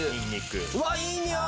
うわっいいにおい！